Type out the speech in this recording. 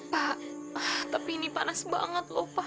pak tapi ini panas banget loh pak